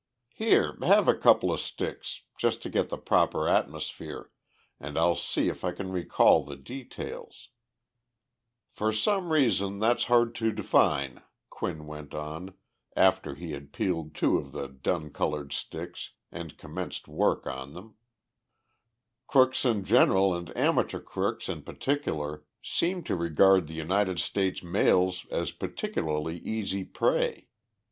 "Here, have a couple of sticks just to get the proper atmosphere and I'll see if I can recall the details." For some reason that's hard to define [Quinn went on, after he had peeled two of the dun colored sticks and commenced work on them] crooks in general and amateur crooks in particular seem to regard the United States mails as particularly easy prey.